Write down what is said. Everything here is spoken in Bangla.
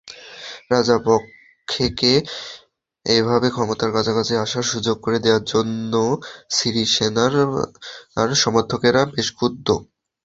রাজাপক্ষেকে এভাবে ক্ষমতার কাছাকাছি আসার সুযোগ করে দেওয়ার জন্য সিরিসেনার সমর্থকেরা বেশ ক্ষুব্ধ।